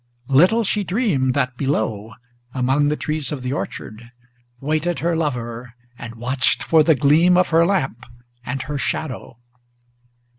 Little she dreamed that below, among the trees of the orchard, Waited her lover and watched for the gleam of her lamp and her shadow.